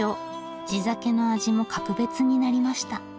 地酒の味も格別になりました。